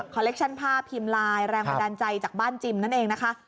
คอเล็กชั่นภาพพิมพ์ไลน์แรงบันดาลใจจากบ้านจิมนั่นเองนะคะ